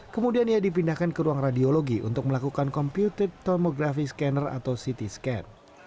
kemudian ia dipindahkan ke ruang radiologi untuk melakukan computed tomografi scanner atau ct scan